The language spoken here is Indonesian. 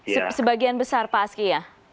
sebagian besar pak aski ya